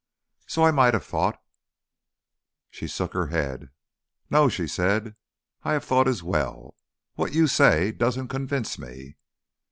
"So I might have thought " She shook her head. "No," she said, "I have thought as well. What you say doesn't convince me."